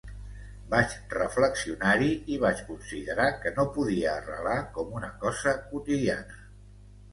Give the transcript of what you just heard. Vaig reflexionar-hi i vaig considerar que no podia arrelar com una cosa quotidiana.